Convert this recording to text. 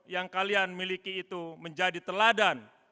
yang kalian miliki itu menjadi teladan